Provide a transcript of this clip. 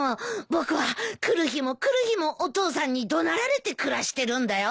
僕は来る日も来る日もお父さんに怒鳴られて暮らしてるんだよ？